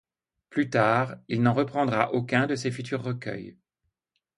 Plus tard, il n'en reprendra aucun dans ses futurs recueils.